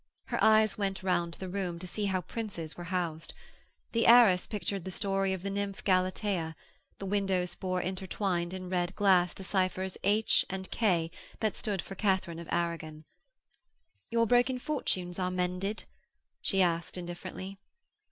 Her eyes went round the room to see how Princes were housed. The arras pictured the story of the nymph Galatea; the windows bore intertwined in red glass the cyphers H and K that stood for Katharine of Aragon. 'Your broken fortunes are mended?' she asked indifferently.